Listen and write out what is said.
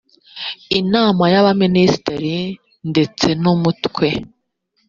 inama y abaminisitiri ndetse n umutwe